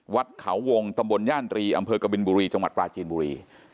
วัดเขาวงตำบลย่านตรี